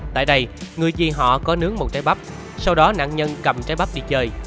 tại đây người chị họ có nướng một trái bắp sau đó nạn nhân cầm trái bắp đi chơi